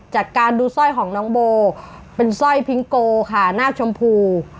จากการดูสร้อยของน้องโบเป็นสร้อยพิงโกค่ะนาคชมพู